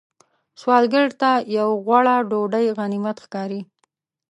سوالګر ته یو غوړه ډوډۍ غنیمت ښکاري